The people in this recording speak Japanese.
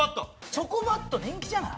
チョコバット人気じゃない？